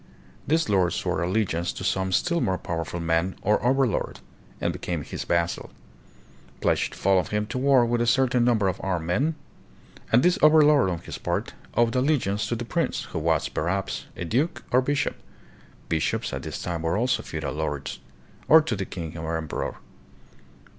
This lord swore allegiance to some still more powerful man, or "overlord," and became his "vas sal," pledged to follow him to war with a certain number of armed men; and this overlord, on his part, owed allegi ance to the prince, who was, perhaps, a duke or bishop (bishops at this time were also feudal lords), or to the king or emperor.